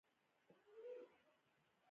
هالنډیانو دا هم ومنله چې ونې به یې له منځه وړي.